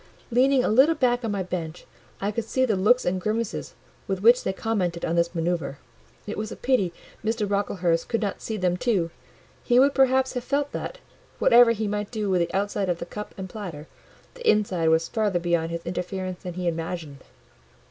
Leaning a little back on my bench, I could see the looks and grimaces with which they commented on this manoeuvre: it was a pity Mr. Brocklehurst could not see them too; he would perhaps have felt that, whatever he might do with the outside of the cup and platter, the inside was further beyond his interference than he imagined.